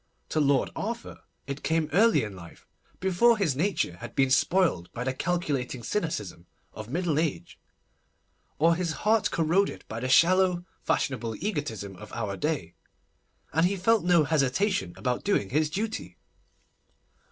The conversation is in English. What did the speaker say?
To Lord Arthur it came early in life—before his nature had been spoiled by the calculating cynicism of middle age, or his heart corroded by the shallow, fashionable egotism of our day, and he felt no hesitation about doing his duty.